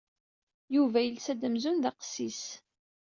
Yuba yelsa-d amzun d aqessis.